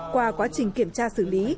qua quá trình kiểm tra xử lý